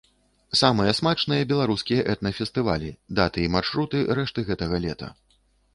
Самыя смачныя беларускія этна-фестывалі, даты і маршруты рэшты гэтага лета.